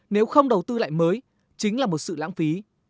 nếu không đầu tư lại mới chính là một sự lãng phí